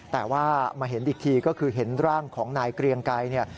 แต่ว่ามาเห็นอีกทีก็คือเห็นร่างของนายเกรียงไกรเนี่ย